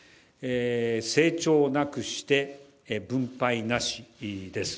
成長なくして分配なしです。